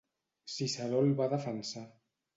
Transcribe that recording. Ciceró el va defensar.